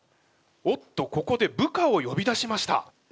おっとここで部下をよび出しました。